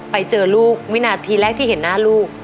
ไปเจอลูกวินาทีแรกที่เห็นหน้าลูก